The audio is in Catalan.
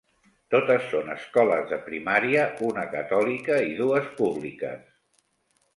Totes són escoles de primària, una catòlica i dues públiques.